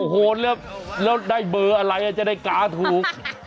โอ้โหแล้วได้เบอร์อะไรจะได้กาถูก